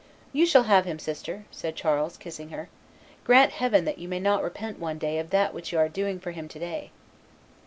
"You shall have him, sister," said Charles, kissing her; "grant Heaven that you may not repent one day of that which you are doing for him to day!"